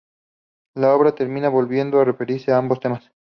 La obra termina volviendo a referirse a ambos temas.